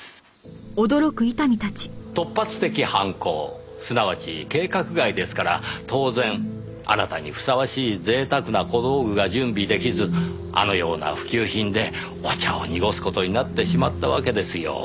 突発的犯行すなわち計画外ですから当然あなたにふさわしい贅沢な小道具が準備出来ずあのような普及品でお茶を濁す事になってしまったわけですよ。